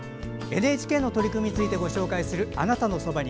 ＮＨＫの取り組みについてご紹介する「あなたのそばに」。